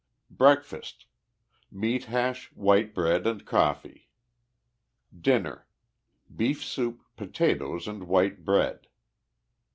Breakfast. — Meat hash, white bread and coffee. Dinner. — Beef soup, potatoes and white bread.